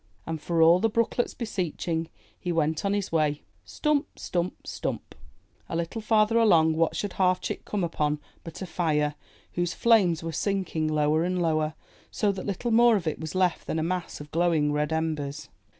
And for all the Brooklet's beseeching, he went on his way — stump! stump! stump! A little farther along, what should Half Chick come upon but a Fire, whose flames were sinking lower and lower, so that little more of it was left than a mass of glowing red embers.